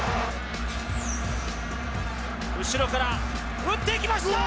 後ろから打っていきました！